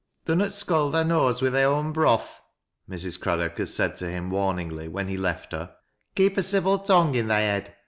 "Dunnot scald thy nose wi' thy own broth," Mrs. Craddock had said to him warningly, when he left her. " Keep a civil tongue i' thy head.